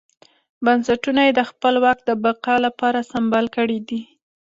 بنسټونه یې د خپل واک د بقا لپاره سمبال کړي دي.